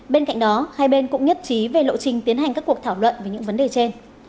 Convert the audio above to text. bên cạnh đó hai bên cũng nhất trí về lộ trình tiến hành các cuộc thảo luận về những vấn đề trên